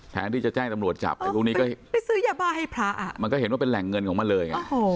แทนที่จะแจ้งตำรวจจับไอ้พวกนี้ก็ไปซื้อยาบ้าให้พระอ่ะมันก็เห็นว่าเป็นแหล่งเงินของมันเลยไง